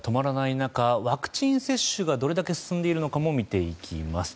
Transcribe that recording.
中ワクチン接種がどれだけ進んでいるのかも見ていきます。